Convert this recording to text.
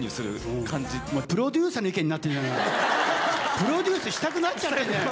プロデュースしたくなっちゃってる。